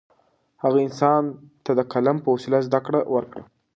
هغه انسان ته د قلم په وسیله زده کړه ورکړه.